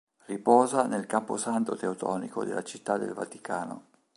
Riposa nel Camposanto teutonico della Città del Vaticano.